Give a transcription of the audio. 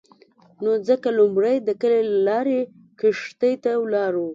نو ځکه لومړی د کلي له لارې کښتۍ ته ولاړو.